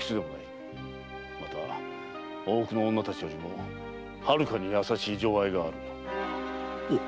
また大奥の女たちよりもはるかに優しい情愛がある。